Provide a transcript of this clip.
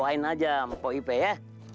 doain aja mpok ipih ya